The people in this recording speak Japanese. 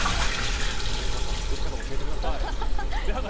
お母さん、作り方教えてください。